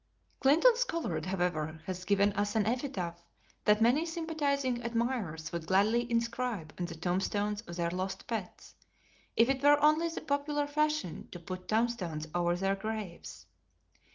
Clinton Scollard, however, has given us an epitaph that many sympathizing admirers would gladly inscribe on the tombstones of their lost pets, if it were only the popular fashion to put tombstones over their graves.